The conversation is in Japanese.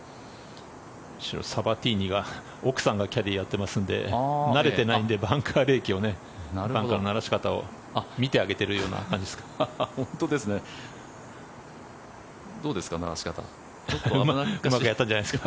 サバティーニが、奥さんがキャディーをやってますので慣れていないのでバンカーレーキバンカーのならし方を見てあげてるような感じですね。